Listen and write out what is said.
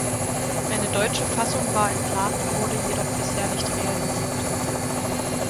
Eine deutsche Fassung war in Planung, wurde jedoch bisher nicht realisiert.